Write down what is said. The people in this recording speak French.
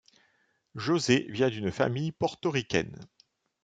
Jose vient d'une famille portoricaine.